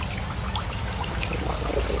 আমি শুধু তোমার সঙ্গ চাই।